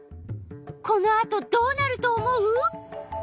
このあとどうなると思う？